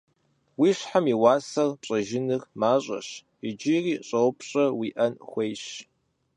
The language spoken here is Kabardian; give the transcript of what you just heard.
Уи щхьэ и уасэр пщӏэжыныр мащӏэщ - иджыри щӏэупщӏэ уиӏэн хуейщ.